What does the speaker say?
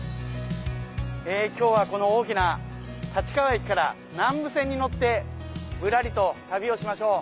今日はこの大きな立川駅から南武線に乗ってぶらりと旅をしましょう。